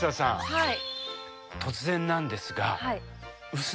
はい。